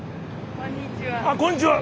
あっこんにちは。